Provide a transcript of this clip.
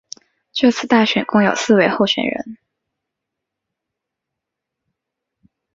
这次大选共有四位候选人。